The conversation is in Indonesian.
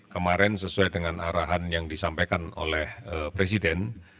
kemarin sesuai dengan arahan yang disampaikan oleh presiden